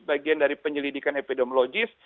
bagian dari penyelidikan epidemiologis